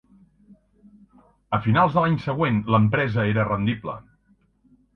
A finals de l'any següent, l'empresa era rendible.